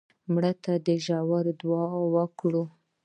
مړه ته د روژې دعا ورکوو